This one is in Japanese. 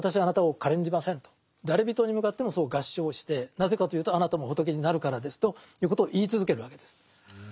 誰びとに向かってもそう合掌してなぜかというとあなたも仏になるからですということを言い続けるわけです。